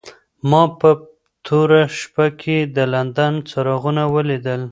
ما په توره شپه کې د لندن څراغونه ولیدل.